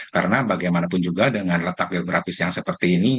karena bagaimanapun juga dengan letak geografis yang seperti ini